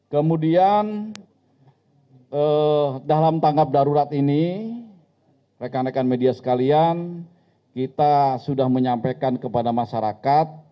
kemudian dalam tanggap darurat ini rekan rekan media sekalian kita sudah menyampaikan kepada masyarakat